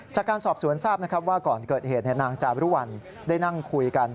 จากการสอบสวนทราบนะครับว่าก่อนเกิดเหตุนางจารุวัลได้นั่งคุยกัน